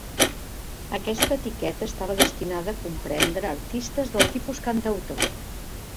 Aquesta etiqueta estava destinada a comprendre artistes del tipus cantautor.